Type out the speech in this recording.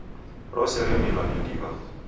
Rose remilwa ni ndiw'a.